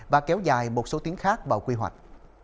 và kéo dài một số tuyến khác vào quy hoạch